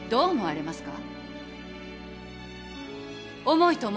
皆さんどう思われますか？